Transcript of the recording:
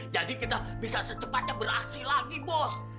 jadi kita bisa secepatnya beraksi lagi bos